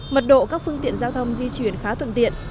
mật độ các phương tiện giao thông di chuyển khá thuận tiện